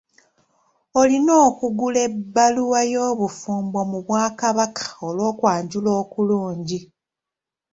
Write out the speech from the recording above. Olina okugula ebbaluwa y'obufumbo mu bwakabaka olw'okwanjula okulungi.